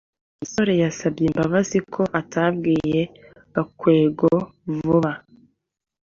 gasore yasabye imbabazi ko atabwiye gakwego vuba